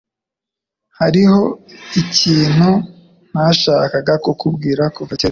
Hariho ikintu nashakaga kukubwira kuva kera.